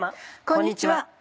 こんにちは。